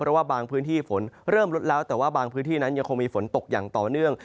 เพราะว่าบางพื้นที่ฝนเริ่มลดแล้วแต่ว่าบางพื้นที่นั้นยังคงมีฝนตกอย่างต่อเนื่อง